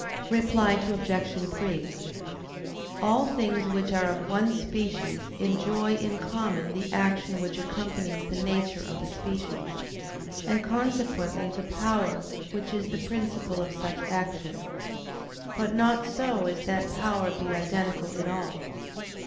Reply Obj. 3: All things which are of one species enjoy in common the action which accompanies the nature of the species, and consequently the power which is the principle of such action; but not so as that power be identical in all.